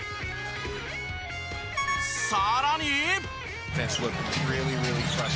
さらに。